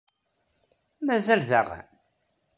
Mazal daɣen?